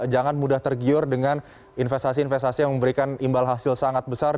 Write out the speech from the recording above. jangan mudah tergiur dengan investasi investasi yang memberikan imbal hasil sangat besar